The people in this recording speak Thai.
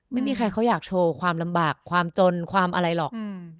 ไม่มีใครเขาอยากโชว์ความลำบากความจนความอะไรหรอก